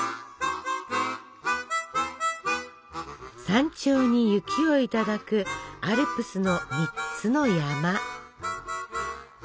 山頂に雪をいただくアルプスの３つの山。